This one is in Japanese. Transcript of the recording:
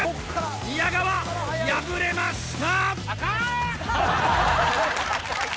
宮川敗れました！